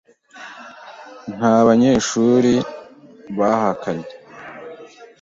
Nta banyeshuri bahakanye.